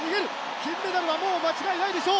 金メダルはもう間違いないでしょう。